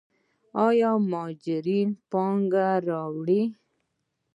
آیا مهاجرین پانګه راوړي؟